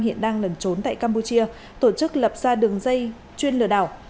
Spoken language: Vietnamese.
hiện đang lẩn trốn tại campuchia tổ chức lập ra đường dây chuyên lừa đảo